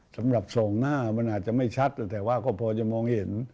สำหรับส่องหน้ามันอาจจะไม่ชัดแต่ว่าก็พอจะมองเห็น